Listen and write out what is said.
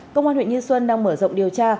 công an huyện như xuân đang mở rộng điều tra